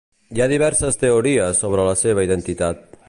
Hi ha diverses teories sobre la seva identitat.